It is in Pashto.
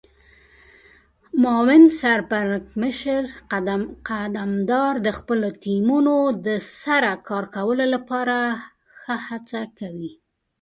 معاون سرپرکمشر قدمدار د خپلو ټیمونو د سره کار کولو لپاره ښه هڅه کوي.